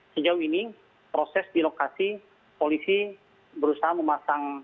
sejauh ini proses di lokasi polisi berusaha memasang